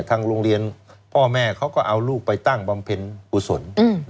ทางโรงเรียนพ่อแม่เขาก็เอาลูกไปตั้งบำเพ็ญกุศล